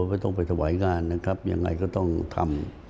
ก็ต้องไปถวายงานนะครับยังไงก็ต้องทำ